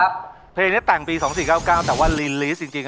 เพลงนี้แต่งปี๒๔๙๙แต่ว่ารีลิสต์จริง๒๕๐๔